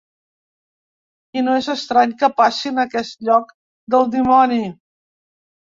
I no és estrany que passi en aquest lloc del dimoni.